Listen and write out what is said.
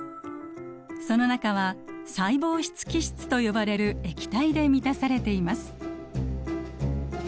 その中は細胞質基質と呼ばれる液体で満たされています。